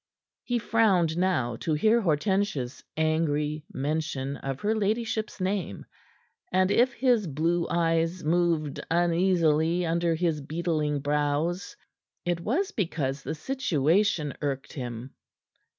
He frowned now to hear Hortensia's angry mention of her ladyship's name; and if his blue eyes moved uneasily under his beetling brows, it was because the situation irked him.